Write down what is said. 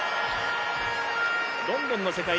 ロンドンの世界